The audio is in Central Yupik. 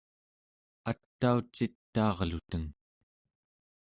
ataucitaarluteng